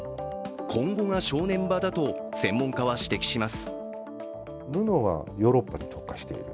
今後が正念場だと専門家は指摘します。